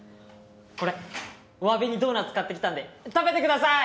これおわびにドーナツ買ってきたんで食べてください！